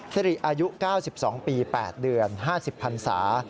สิริอายุ๙๒ปี๘เดือน๕๐พันศา